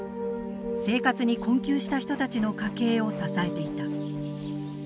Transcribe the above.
生活に困窮した人たちの家計を支えていた。